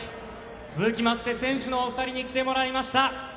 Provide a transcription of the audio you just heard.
続きまして選手のお二人に来てもらいました。